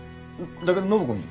だけど暢子に。